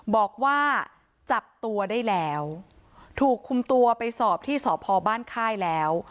บอกว่าจับตัวได้แล้วถูกคุมตัวไปสอบที่สพบ้านค่ายแล้ว